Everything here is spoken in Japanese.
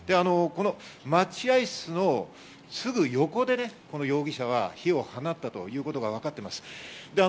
待合室の横でこの容疑者は火を放ったということがわかっています。